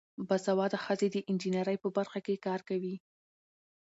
باسواده ښځې د انجینرۍ په برخه کې کار کوي.